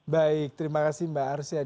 baik terima kasih mbak arsyad